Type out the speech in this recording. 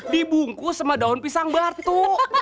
dibungkus sama daun pisang batu